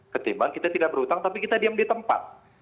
ketimbang kita tidak berhutang tapi kita diam di tempat